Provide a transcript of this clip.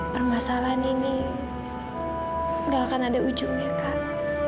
permasalahan ini gak akan ada ujungnya kang